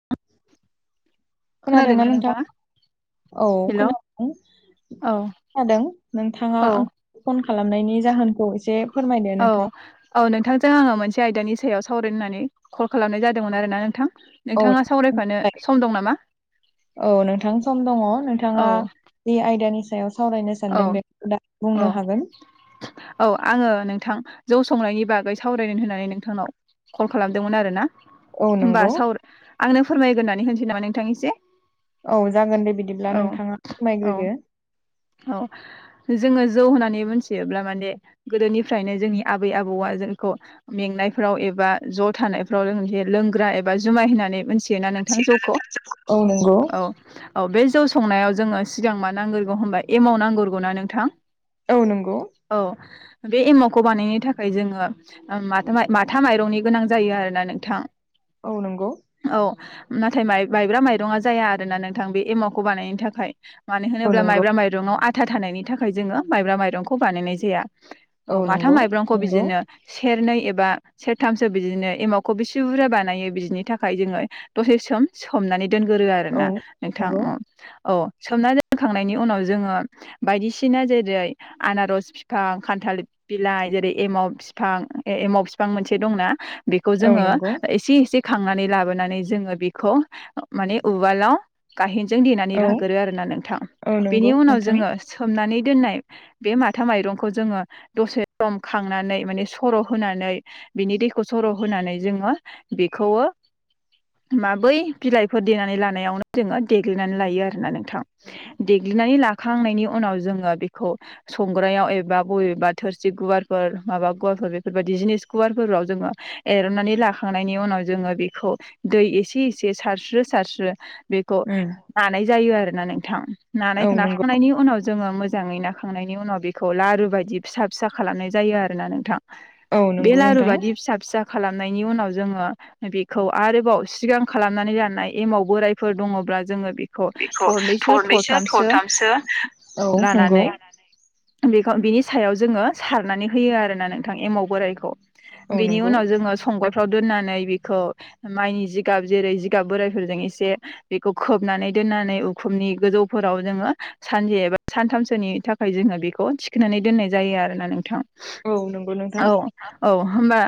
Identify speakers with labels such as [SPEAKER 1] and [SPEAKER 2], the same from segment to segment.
[SPEAKER 1] [inaudible]
[SPEAKER 2] खोनादोंना नोंथां औ खोनादों। जादों नोंथाङा
[SPEAKER 1] औ
[SPEAKER 2] आंखौ फन खालामनायनि जाहोनखौ एसे फोरमायदो
[SPEAKER 1] औ
[SPEAKER 2] नोंथां
[SPEAKER 1] औ नोंथांजों आङो मोनसे आयदानि सायाव सावरायनो होननानै कल खालामनाय जादोंमोन आर ना नोंथां।
[SPEAKER 2] औ
[SPEAKER 1] नोंथाङा सावरायफानो
[SPEAKER 2] दे।
[SPEAKER 1] सम दं नामा?
[SPEAKER 2] औ नोंथां सम दङ
[SPEAKER 1] औ
[SPEAKER 2] नोंथाङा बे आयदानि सायाव सावरायनो
[SPEAKER 1] औ
[SPEAKER 2] सानदों बेखौ दा
[SPEAKER 1] औ
[SPEAKER 2] बुंनो हागोन
[SPEAKER 1] औ आङो नोंथां जौ संनायनि बागै सावरायनो होननानै नोंथांनाव कल खालामदोंमोन आरोना।
[SPEAKER 2] औ
[SPEAKER 1] होमबा
[SPEAKER 2] नंगौ
[SPEAKER 1] साव आंनो फोरमायग्रोन होनोसै नामा नोंथां इसे?
[SPEAKER 2] औ जागोन दे बिदिब्ला नोंथाङा
[SPEAKER 1] औ
[SPEAKER 2] फोरमायग्रोदो।
[SPEAKER 1] औ जोङो जौ होननानै मोनथियोब्ला माने गोदोनिफ्रायनो जोंनि आबै आबौआ जोंखौ मेंनायफ्राव एबा ज' थानायफ्राव जों लोंग्रा एबा जुमाय होननानै मोनथियोना नोंथां जौखौ?
[SPEAKER 2] औ नंगौ
[SPEAKER 1] औ औ बे जौ संनायाव जोङो सिगां मा नांग्रगौ होनबाय एमाव नांग्रोगौना नोंथां
[SPEAKER 2] औ नंगौ
[SPEAKER 1] औ। बे एमावखौ बानायनो थाखाय जोङो माथा माथा माइरंनि गोनां जायो आरोना नोंथां।
[SPEAKER 2] औ नंगौ।
[SPEAKER 1] नाथाइ माइ-माइब्रा माइरङा जाया आरोना नोंथां बे एमावखौ बानायनो थाखाय मानो
[SPEAKER 2] औ
[SPEAKER 1] होनोब्ला
[SPEAKER 2] नंगौ
[SPEAKER 1] माइब्रा माइरं आव‌ आथा थानायनि थाखाय जोङो माइब्रा माइरंखौ बानायनाय जाया। औ माथा
[SPEAKER 2] नंगौ
[SPEAKER 1] माइरंखौ
[SPEAKER 2] नंगौ
[SPEAKER 1] बिदिनो सेरनै एबा बा सेरथामसो बिदिनो एमावखौ बेसे बुरजा बानायो बिदिनि थाखाय जोङो दसे सम सोमनानै दोनगोरो आरो
[SPEAKER 2] औ
[SPEAKER 1] ना नोंथां
[SPEAKER 2] नंगौ
[SPEAKER 1] औ सोमना दोनखांनायनि उनाव जोङो बायदिसिना जेरै आनारस बिफां खान्थाल बिलाइ जेरै एमाव फि फिफां एमाव फिफां मोनसे दंना बेखौ
[SPEAKER 2] औ
[SPEAKER 1] जोङो
[SPEAKER 2] नंगौ
[SPEAKER 1] एसे एसे खांनानै लाबोनानै जोङो बेखौ मान उवालाव गाहे नजों देनानै
[SPEAKER 2] औ
[SPEAKER 1] लागोरो आरोोना नोंथां
[SPEAKER 2] औ
[SPEAKER 1] बेनि
[SPEAKER 2] नंगौ
[SPEAKER 1] उनाव
[SPEAKER 2] नोंथां
[SPEAKER 1] जोङो सोमनानै दोननाय बे माथा माइरंखौ जोङो दसे सम खांनानै माने सर' होनानै बिनि दैखौ सर' होनानै जोङो बेखौ माबै बिलाइफोर देनानै लानायावनो जोङो देग्लिनानै लायो आरोना नोंथां बिनानै लाखांनायनि उनाव जोङो बेखौ संग्रायाव एबा बबेबा थोरसि गुवारफोर [unintelligible] बेफोरबायदि जिनिस गुवार फोराव जोङो एरननानै लाखांनायनि उनाव जोङो बेखौ दै एसे-एसे सारस्रो सारस्रो बेखौ
[SPEAKER 2] उम
[SPEAKER 1] नानाय जायो आरोना नोंथां
[SPEAKER 2] औ
[SPEAKER 1] नानायखौ
[SPEAKER 2] नंगौ
[SPEAKER 1] नाखांनायनि उनाव जोङो मोजाङै नााखांनायनि उनाव बेखौ लारु बायदि फिसा फिसा खालामनाय जायो आरोना नोंथां।
[SPEAKER 2] औ
[SPEAKER 1] बे
[SPEAKER 2] नंगौ
[SPEAKER 1] लारु
[SPEAKER 2] नोंथां
[SPEAKER 1] बादि फिसा फिसा खालामनायनि उनाव जोङो बेखौ आरोबाव सिगां खालामनानै लानाय एमाव बोरायफोर दङ जोङो बेखौ थरनैसो थर थामसो
[SPEAKER 2] औ नंगौ
[SPEAKER 1] लानानै बेखौ बिनि सायाव जोङो सारनानै होयो आरोना नोंथां एमाव बोराइखौ
[SPEAKER 2] औ
[SPEAKER 1] बेनि
[SPEAKER 2] नंगौ
[SPEAKER 1] उनाव जोङो संग [unintelligible] दोननानै बेखौ माइनि जिगाब जेरै जिगाब बोरायफोरजों एसे बेखौ खोबनानै दोननानै उखुमनि गोजौ फोराव जोङो सानसे एबा सानथामसोनि थाखाय जोङो बेखौ थिखोनानै दोननाय जायो आरोना नोंथां
[SPEAKER 2] औ नंगौ नोंथां
[SPEAKER 1] औ-औ होमबा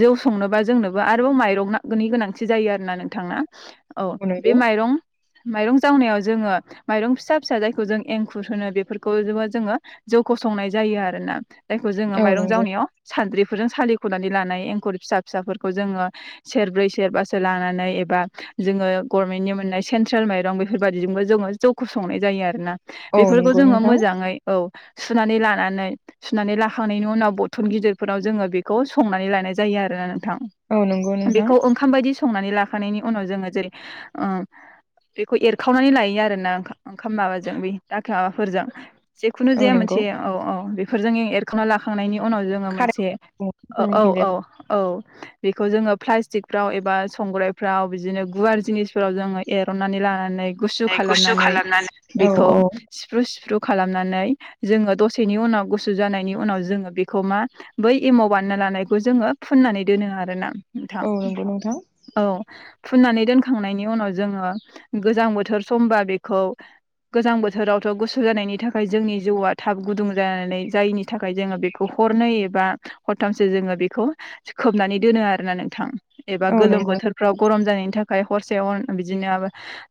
[SPEAKER 1] जौ संनोबा जोंनोबो आरोबाव माइरंनि गोनांथि जायो आरोना नोंथांना। औ बे माइरं माइरं जावनायाव जोङो माइरं फिसा फिसा जायखौ जों एंखुर होनो बेफोरखौ जोङो जौ गसंनाय जायो आरोना जायखौ जोङो
[SPEAKER 2] औ
[SPEAKER 1] माइरं
[SPEAKER 2] नंगौ
[SPEAKER 1] जावनायाव सानद्रि बेफोरजों सालिख'नानै लानाय एंखुर फिसा फिसाफोरखौ जोङो सेरब्रै सेरबासो लानानै एबा जोङो गभर्नमेन्टनि मोननाय सेन्ट्रेल माइरं बेफोरबायदिजोंबो जोङो जौ खौ संनाय जायो आरोोना
[SPEAKER 2] औ
[SPEAKER 1] बेफोरखौ
[SPEAKER 2] नंगौ
[SPEAKER 1] जोङो
[SPEAKER 2] नोंथां
[SPEAKER 1] मोजाङै औ सुनानै लानानै सुनानै लाखांनायनि उनाव बरथन गिदिरफोराव जोङो बेखौ संनानै लानाय जायो आरो थां
[SPEAKER 2] औ नंगौ नोंथां
[SPEAKER 1] बेखौ ओंखाम बायदि संनानै ला उनाव जोङो जेरै बेखौ एरखावनानै लायो आरोना ओं ओंखाम माबाजों बे जाख्रा माबाफोरजों जेखुनु
[SPEAKER 2] औ
[SPEAKER 1] जाया
[SPEAKER 2] नंगौ
[SPEAKER 1] मोनसे औ-औ बे बेफोरजों एरखांना लाखांनायनि उनाव जोङो मोनसे
[SPEAKER 2] जोंनिथिंजाय
[SPEAKER 1] औ-औ-औ बेखौ जोङो प्लास्टिकफ्राव एबा संग्रायफ्राव बिदिनो गुवार जिनिसफ्राराव जोङो एरननानै लायो। गुसु
[SPEAKER 2] गुसु
[SPEAKER 1] खालामनानै
[SPEAKER 2] खालामनानै औ
[SPEAKER 1] बिखौ
[SPEAKER 2] औ
[SPEAKER 1] सिफ्रु सिफ्रु खालामनानै जोङो दसेनि उनाव गुसु जानायनि उनाव जोङो बेखौ मा बै एमाव बानायनानै फुनानै दोनो आरोना नोंथां
[SPEAKER 2] औ नंगौ नोंथां
[SPEAKER 1] औ फुननानै दोनखांनायनि उनाव जोङो गोजां बोथोर समबा बेखौ गोजां बोथोरावथ' गुसु जानायनि थाखाय जोंनि जौआ थाब गुदुं जानानै जायिनि थाखाय जोङो बेखौ हरनै एबा हरथामसो जोङो बेखौ खोबनानै दोनो आरोना नोंथां। एबा
[SPEAKER 2] औ
[SPEAKER 1] गोलोम
[SPEAKER 2] नंगौ
[SPEAKER 1] बोथोरफ्राव गरम जानायनि थाखाय। हरसे हरनै बिदिनो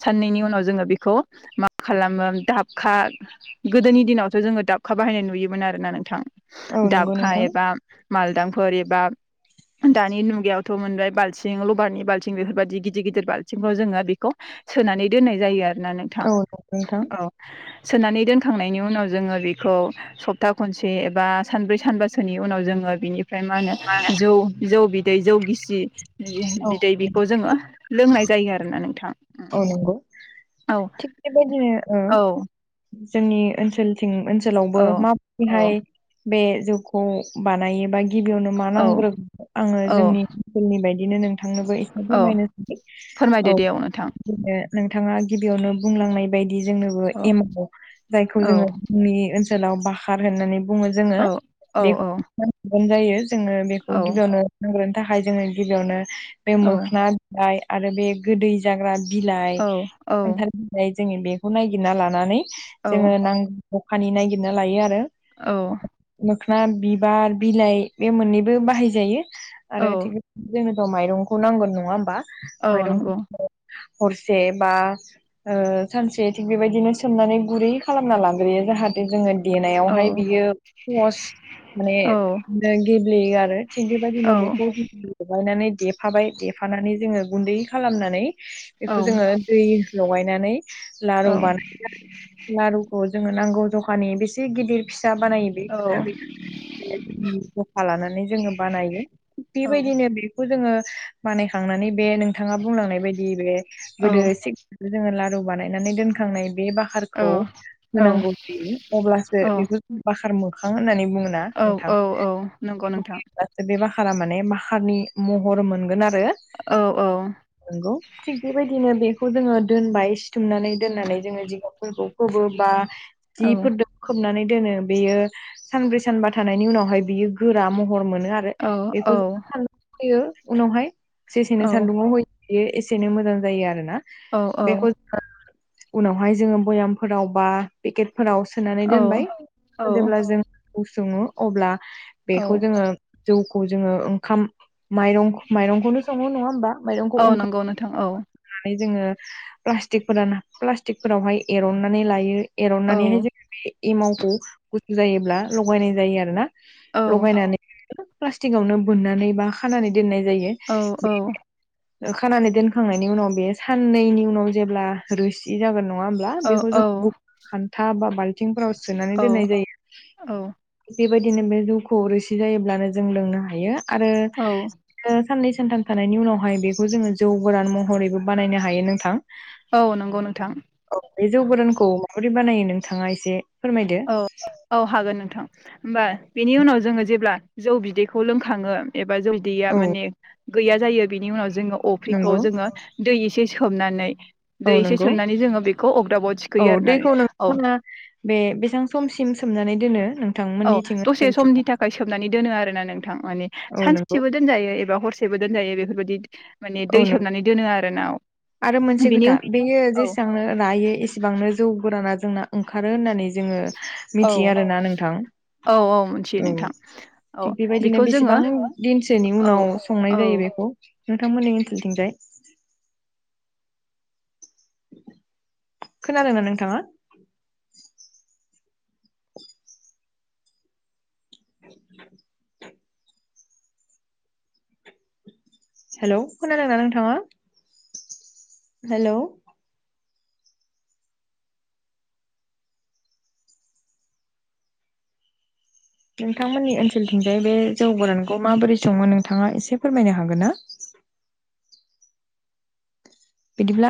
[SPEAKER 1] साननैनि उनाव जोङो बेखौ मा खालामो दाबखा गोदोनि दिनावथ' जोङो दाबखा बाहायनाय नुयोमोन आरोना नोंथां
[SPEAKER 2] औ नंगौ
[SPEAKER 1] दाबखा
[SPEAKER 2] नोंथां
[SPEAKER 1] एबा मालदांफोर एबा दानि मुगायावथ' मोनबाय बाल्थिं लबारनि बाल्थिं बेफोर बायदि गिदिर गिदिर बाल्थिं जोङो बेखौ सोनानै दोननाय जायो आरोना नोंथां
[SPEAKER 2] औ नंगौ नोंथां
[SPEAKER 1] औ सोनानै दोनखांनायनि उनाव जोङो बेखौ सप्ता खनसे एबा सानब्रै सानबासोनि उनाव जोङो बिनि ओमफ्राय मा होनो जौ-जौ बि बिदै जौ गिसि
[SPEAKER 2] औ
[SPEAKER 1] बिदै बिखौ जोङो लोंनाय जायो आरोना नोंथां
[SPEAKER 2] औ नंगौ
[SPEAKER 1] औ
[SPEAKER 2] थिग बेबायदिनो
[SPEAKER 1] औ
[SPEAKER 2] जोंनि ओनसोलथिं ओनसोलावबो
[SPEAKER 1] औ औ
[SPEAKER 2] माबोरैहाय बे जौखौ बानायोबा गिबियावनो मा
[SPEAKER 1] औ
[SPEAKER 2] नांग्रोगोन आङो
[SPEAKER 1] औ
[SPEAKER 2] जोंनि ओनसोलनि बायदिनो नोंथांनोबो एसे
[SPEAKER 1] औ
[SPEAKER 2] फोरमायनोसै।
[SPEAKER 1] फोरमायदो दे ।
[SPEAKER 2] नोंथाङा गिबियावनो बुंलांनाय बायदि बेजोंनोबो
[SPEAKER 1] औ
[SPEAKER 2] एमाव जायखौ
[SPEAKER 1] औ
[SPEAKER 2] जोङो जोंनि ओनसोलाव बाखार होननानै बुङो जोङो
[SPEAKER 1] औ औ
[SPEAKER 2] बेखौगोन जायो जोङो बेखौ
[SPEAKER 1] औ
[SPEAKER 2] गिबियावनो नांगोन। थाखाय जोङो गिबियावनो बे
[SPEAKER 1] औ
[SPEAKER 2] मोखोन बिलाइ आरो बे गोदै जाग्रा बिलाइ
[SPEAKER 1] औ
[SPEAKER 2] खान्थाल बिलाइ जोङो बेखौ नायगिरना लानानै
[SPEAKER 1] औ
[SPEAKER 2] जोङो नांगौ जखानि नागिरना लायो आरो।
[SPEAKER 1] औ।
[SPEAKER 2] दखना बिबार बिलाइ बे मोननैबो बाहायजायो
[SPEAKER 1] औ
[SPEAKER 2] आरो थिग नोंथाङा माइरंखौ नांगोन नङा होमबा।
[SPEAKER 1] औ
[SPEAKER 2] माइरंखौ
[SPEAKER 1] नंगौ।
[SPEAKER 2] हरसे बा सानसे थिग बेबायदिनो सोमनानै गुरै खालामना लाग्रोयो जाहाथे जोङो
[SPEAKER 1] औ
[SPEAKER 2] देनायावहाय बियो पस माने
[SPEAKER 1] औ
[SPEAKER 2] गेब्लेयो आरो थिग
[SPEAKER 1] औ
[SPEAKER 2] बेबायदिनो बेखौ लगायनानै देफाबाय दे फानानै जोङो गुन्दै खालामनानै
[SPEAKER 1] औ
[SPEAKER 2] बेखौ जोङो दै लगायनानै।
[SPEAKER 1] औ
[SPEAKER 2] लारु बाना लारुखौ जोङो नांगौ जखानि बेसे गिदिर फिसा बानायो बेनि थाखाय। जखा लानानै जोङो बानायो थिग बेबायदिनो बेखौ जोङो बानायखांनानै बे नोंथाङा बुंलांनाय बायदि बे गोदो जोङो लारु बानायनानै दोनखांनाय। बे बाखारखौ
[SPEAKER 1] औ
[SPEAKER 2] होनांगौदि अब्लासो बेखौ ज बाखार म होननानै बुङो ना
[SPEAKER 1] औ
[SPEAKER 2] नोंथां
[SPEAKER 1] औ नंगौ नोंथां औ
[SPEAKER 2] बे बा मारा माने माखारनि महर मोनगोन आरो ।
[SPEAKER 1] औ औ।
[SPEAKER 2] नोंगौ थिग बेबायदिनो बेखौ जोङो दोनबाय सिथुमनानै दोननानै जोङो जिगाबफोरखौ बो बा
[SPEAKER 1] औ
[SPEAKER 2] जिफोरदो खोबनानै दोनो बेयो सानब्रै सानबा थानायनि उनावहाय बियो गोरा महर मोनो
[SPEAKER 1] औ
[SPEAKER 2] आरो बेखौ
[SPEAKER 1] औ
[SPEAKER 2] सान दुं होयो उनावहाय जेसेनो सान्दुंङआव होयो बेयो एसेनै मोजां जायो आरोना
[SPEAKER 1] औ
[SPEAKER 2] बेखौ जों उनावहाय जोङो बयामफोरावबा पेकेट फोराव सोनानै दोनबाय औ जेब्ला औ जों उ सङो अब्ला
[SPEAKER 1] औ
[SPEAKER 2] बेखौ जोङो जौखौ जोङो ओंखाम माइरं माइरंखौनो सङो नङा होमबा माइरं?
[SPEAKER 1] औ नंगौ नोंथां औ।
[SPEAKER 2] जोङो प्लासटिक फोराना प्लासटिकफोरावहाय एरननानै लायो।
[SPEAKER 1] औ
[SPEAKER 2] एरननानैहाय जोङो बे एमावखौ गुसु जायोब्ला लगायनाय जायो आरोना।
[SPEAKER 1] औ
[SPEAKER 2] लगायनानै प्लास्टिकावनो बोननानै बा खानानै दोननाय जायो
[SPEAKER 1] औ
[SPEAKER 2] बे खानानै दोनखांनायनि उनाव बे साननैनि उनाव जेब्ला रोसि जागोन न नङा होमब्ला
[SPEAKER 1] औ
[SPEAKER 2] बेखौ जों खान्था बा बालथिंफोराव सोनानै दोननाय जायो।
[SPEAKER 1] औ
[SPEAKER 2] बेबायदिनो बे जौखौ रोसि जायोब्लानो जों लोंनो हायो आरो
[SPEAKER 1] औ
[SPEAKER 2] साननै सानथाम थानायनि उनावहाय बेखौ जोङो जौ गोरान महरैबो बानायनो हायो नोंथां।
[SPEAKER 1] औ नंगौ नोंथां
[SPEAKER 2] औ बे जौ गोरानखौ माबोरै बानायो नोंथाङा एसे फोरमायदो
[SPEAKER 1] औ औ हागोन नोंथां। होमबा बेनि उनाव जोङो जेब्ला जौ बिदैखौ लोंखाङो एबा जौ बिदैया
[SPEAKER 2] औ
[SPEAKER 1] माने गैया जायो बिनि उनाव जोङो अफ्रिखौ
[SPEAKER 2] नंगौ
[SPEAKER 1] जोङो दै एसे सोमनानै
[SPEAKER 2] औ
[SPEAKER 1] दै एसे
[SPEAKER 2] नंगौ
[SPEAKER 1] सोमनानै जोङो बेखौ अगदाबाव
[SPEAKER 2] औ
[SPEAKER 1] थिखोयो आरो ना
[SPEAKER 2] दैखौ
[SPEAKER 1] औ
[SPEAKER 2] नोंथांमोना बे बेसेबां समसिम सोमनानै दोनो
[SPEAKER 1] औ
[SPEAKER 2] नोंथांमोननिथिं
[SPEAKER 1] दसे
[SPEAKER 2] ओनसोलथिं
[SPEAKER 1] समनि थाखाय सोबनानै दोनो आरोना नोंथां माने
[SPEAKER 2] औ नंगौ
[SPEAKER 1] सानसेबो दोनजायो एबा हरसेबो दोननोहायो बेफोरबायदि माने दै
[SPEAKER 2] औ नंगौ
[SPEAKER 1] सोमनानै दोनो आरो नाव
[SPEAKER 2] आरो मोनसे खोथा बेयो जेसांनो नायो एसेबांनो जौ गुराना जोंना ओंखारो होननानै जोङो
[SPEAKER 1] औ
[SPEAKER 2] मिथियो आरोना नोंथां।
[SPEAKER 1] औ मिथियो
[SPEAKER 2] औ
[SPEAKER 1] नोंथां औ
[SPEAKER 2] थिग बेबायदिनो
[SPEAKER 1] बेखौ जोङो
[SPEAKER 2] बेसेबां दिनसोनि
[SPEAKER 1] औ
[SPEAKER 2] उनाव संनाय
[SPEAKER 1] औ
[SPEAKER 2] जायो बे खौ नोंथांमोननि ओनसोलथिंजाय खोनादोना नोंथाङा
[SPEAKER 1] [unintelligible]
[SPEAKER 2] [unintelligible] हेल' खोनादों ना नोंथाङा? हेलौ नोंथांमोननि ओनसोलथिंजाय बे जौ गोरानखौ माबोरै सङो नोंथाङा एसे फोरमायनो हागोन ना?
[SPEAKER 1] [inaudible]
[SPEAKER 2] बिदिब्ला